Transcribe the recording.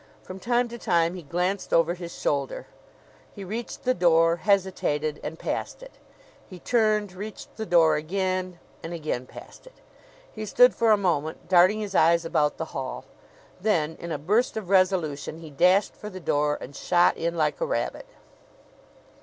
From time to time he glanced over his shoulder. He reached the door, hesitated, and passed it. He turned, reached the door again and again passed it. He stood for a moment darting his eyes about the hall; then, in a burst of resolution, he dashed for the door and shot in like a rabbit.